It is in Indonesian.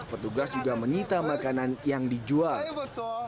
petugas juga menyita makanan yang dijual